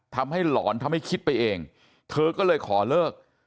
หลอนทำให้คิดไปเองเธอก็เลยขอเลิก